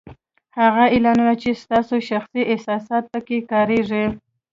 هغه اعلانونه چې ستاسو شخصي احساسات په کې کارېږي